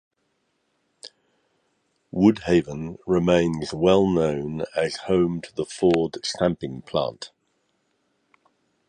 Woodhaven remains well known as home to the Ford Stamping Plant.